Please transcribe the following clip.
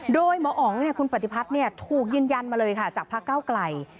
โดยหมออ๋องคุณปฏิพัฒน์ถูกยืนยันมาเลยค่ะจากพระเก้าไกล